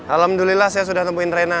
alhamdulillah saya sudah temuin rena